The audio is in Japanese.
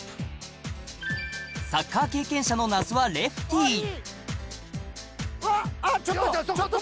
サッカー経験者の那須はレフティーうわあっちょっと。